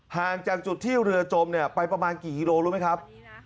ห่างจากจุดที่เรือจมไปประมาณกี่กิโลรู้ไหมครับ